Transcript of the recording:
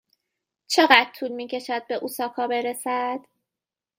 چقدر طول می کشد به اوساکا برسد؟